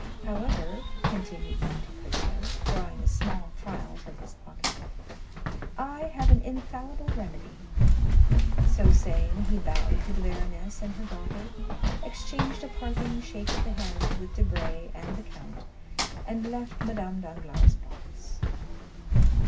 However," continued Monte Cristo, drawing a small phial from his pocket, "I have an infallible remedy." So saying, he bowed to the baroness and her daughter, exchanged a parting shake of the hand with Debray and the count, and left Madame Danglars' box.